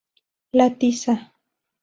La tiza.